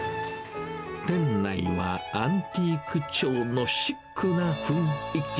店内はアンティーク調のシックな雰囲気。